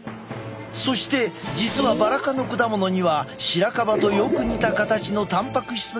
そして実はバラ科の果物にはシラカバとよく似た形のたんぱく質が含まれている。